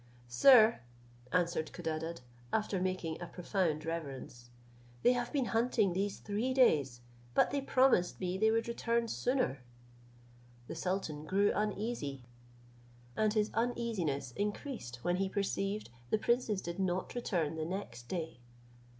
"Sir," answered Codadad, after making a profound reverence, "they have been hunting these three days, but they promised me they would return sooner." The sultan grew uneasy, and his uneasiness increased when he perceived the princes did not return the next day.